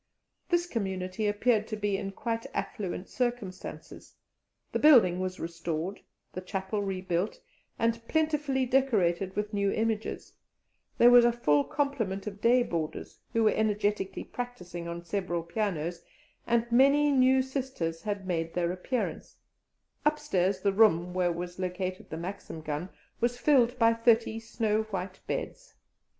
This community appeared to be in quite affluent circumstances: the building was restored, the chapel rebuilt and plentifully decorated with new images; there was a full complement of day boarders, who were energetically practising on several pianos, and many new Sisters had made their appearance; upstairs, the room where was located the Maxim gun was filled by thirty snowwhite beds.